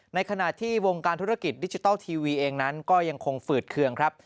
ในขณะที่วงการธุรกิจดิจิทัลทีวีเองนั้นก็ยังคงฝืดเคืองครับ